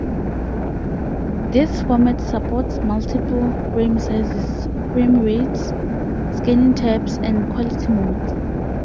This format supports multiple frame sizes, frame rates, scanning types and quality modes.